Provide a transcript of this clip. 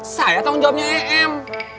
saya tanggung jawabnya em